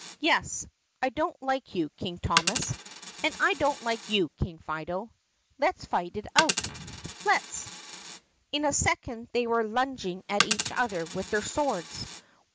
"Yes. I don't like you, King Thomas." "And I don't like you, King Fido." "Let 's fight it out." "Let 's." In a second they were lunging at each other with their swords.